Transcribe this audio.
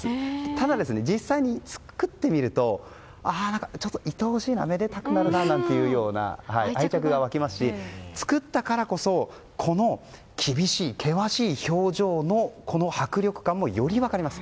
ただ、実際に作ってみるとちょっといとおしいなめでたくなるなというような愛着が湧きますし作ったからこそこの厳しい険しい表情のこの迫力感もより分かります。